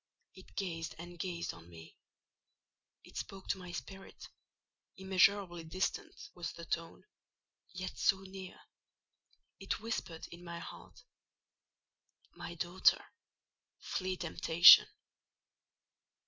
It gazed and gazed on me. It spoke to my spirit: immeasurably distant was the tone, yet so near, it whispered in my heart— "My daughter, flee temptation."